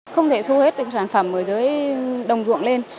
không thể số hết sản phẩm ở dưới đồng ruộng lên